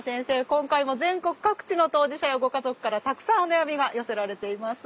今回も全国各地の当事者やご家族からたくさんお悩みが寄せられています。